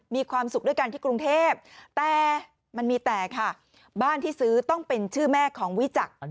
มีความสุขด้วยกันที่กรุงเทพแต่มันมีแต่ค่ะบ้านที่ซื้อต้องเป็นชื่อแม่ของวิจักร